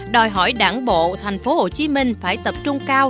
đòi hỏi đảng bộ thành phố hồ chí minh phải tập trung cao